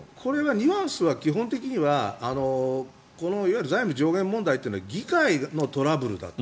ニュアンスは基本的には財務上限問題というのは議会のトラブルだと。